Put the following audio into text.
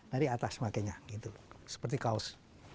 dari atas makanya seperti kaos